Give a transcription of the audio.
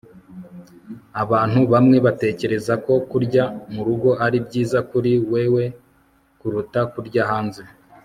abantu bamwe batekereza ko kurya murugo ari byiza kuri wewe kuruta kurya hanze